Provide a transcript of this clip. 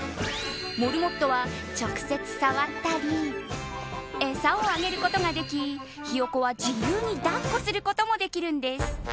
モルモットは直接触ったり餌をあげることができひよこは自由に抱っこすることもできるんです。